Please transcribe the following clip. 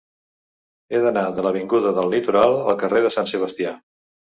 He d'anar de l'avinguda del Litoral al carrer de Sant Sebastià.